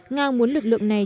nga muốn lực lượng này